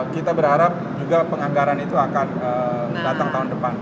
kita berharap juga penganggaran itu akan datang tahun depan